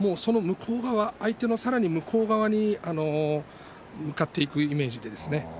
相手のさらに向こう側に向かっていくイメージですね。